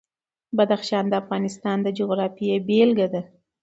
بدخشان د افغانستان د جغرافیې بېلګه ده.